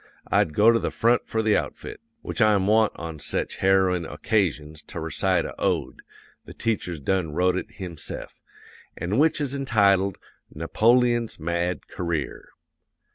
I'd go to the front for the outfit. Which I'm wont on sech harrowin' o'casions to recite a ode the teacher's done wrote it himse'f an' which is entitled Napoleon's Mad Career.